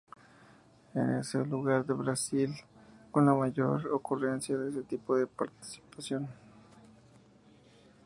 Es el lugar en Brasil con la mayor ocurrencia de este tipo de precipitación.